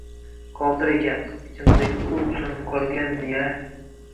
Qodir egam, ichimdagi o`t so`nib qolgandi-ya